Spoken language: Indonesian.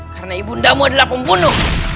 karena ibundamu adalah pembunuh